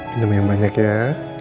minum yang banyak ya